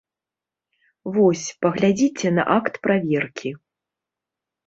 Вось, паглядзіце на акт праверкі.